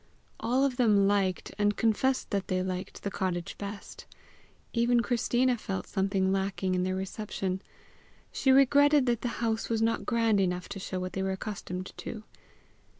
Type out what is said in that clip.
All of them liked, and confessed that they liked the cottage best. Even Christina felt something lacking in their reception. She regretted that the house was not grand enough to show what they were accustomed to.